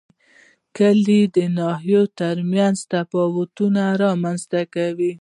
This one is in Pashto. کلي د ناحیو ترمنځ تفاوتونه رامنځ ته کوي.